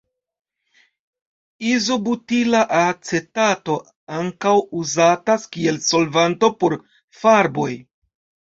Izobutila acetato ankaŭ uzatas kiel solvanto por farboj.